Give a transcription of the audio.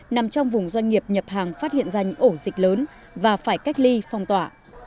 nằm trong vùng doanh nghiệp nhập hàng phát hiện danh ổ dịch lớn và phải cách ly phong tỏa